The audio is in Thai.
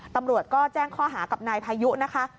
ตำรวจก็แจ้งข้อหากับนายพายุนะคะ